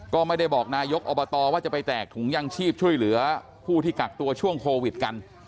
ก็ไม่ได้บอกนายกอบตว่าจะไปแตกถุงยังชีพช่วยเหลือผู้ที่กักตัวช่วงโควิดกัน